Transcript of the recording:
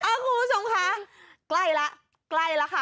คุณผู้ชมคะใกล้แล้วใกล้แล้วค่ะ